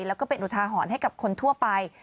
แล้วก็เป็นอุทาหรณ์ให้กับคนทั่วไป